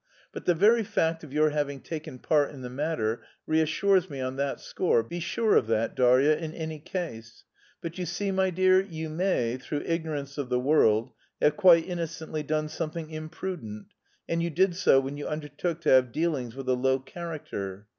But the very fact of your having taken part in the matter reassures me on that score, be sure of that, Darya, in any case. But you see, my dear, you may, through ignorance of the world, have quite innocently done something imprudent; and you did so when you undertook to have dealings with a low character.